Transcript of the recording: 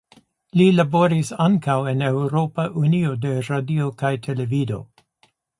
Li laboris ankaŭ en Eŭropa Unio de Radio kaj Televido.